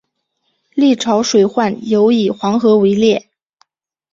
历朝水患尤以黄河为烈。